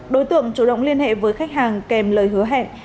đối tượng chủ động liên hệ với khách hàng kèm lời hứa hẹn